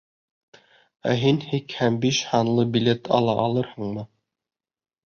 Ә һин һикһән биш һанлы билет ала алырһыңмы?